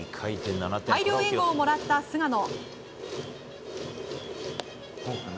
大量援護をもらった菅野。